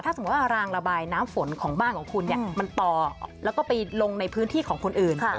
สมมุติว่ารางระบายน้ำฝนของบ้านของคุณเนี่ยมันต่อแล้วก็ไปลงในพื้นที่ของคนอื่น